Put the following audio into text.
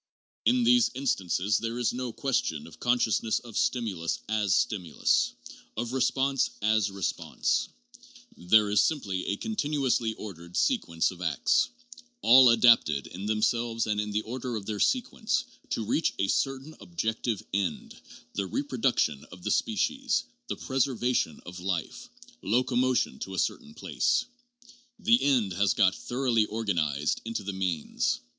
In these instances there is no question of con sciousness of stimulus as stimulus, of response as response. 3 66 JOHN DEWEY. There is simply a continuously ordered sequence of acts, all adapted in themselves and in the order of their sequence, to reach a certain objective end, the reproduction of the species, the preservation of life, locomotion to a certain place. The end has got thoroughly organized into the means.